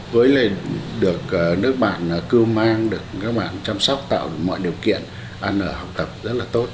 với lên được nước bạn cưu mang được các bạn chăm sóc tạo mọi điều kiện ăn ở học tập rất là tốt